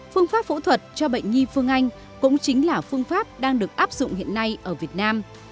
phương pháp phẫu thuật cho bệnh nhi phương anh cũng chính là phương pháp đang được áp dụng hiện nay ở việt nam